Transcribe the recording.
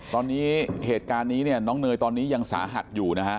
ตอนนี้เหตุการณ์นี้เนี่ยน้องเนยตอนนี้ยังสาหัสอยู่นะฮะ